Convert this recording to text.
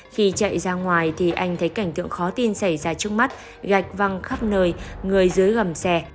khi chạy ra ngoài thì anh thấy cảnh tượng khó tin xảy ra trước mắt gạch văng khắp nơi người dưới gầm xe